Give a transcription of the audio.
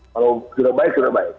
kalau sudah baik sudah baik